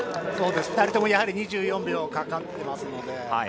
２人とも２４秒かかっていますね。